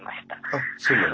あそうなの。